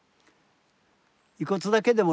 遺骨だけでもね